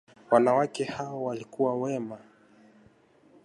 Wanawake hao walikuwa wema